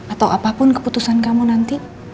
atau apapun keputusan kamu nanti